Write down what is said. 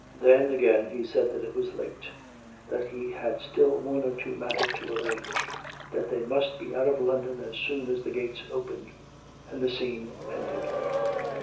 Then, again, he said that it was late; that he had still one or two matters to arrange; that they must be out of London as soon as the gates opened. And the scene ended.